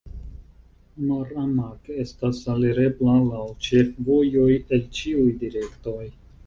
Maramag estas alirebla laŭ ĉefvojoj el ĉiuj direktoj.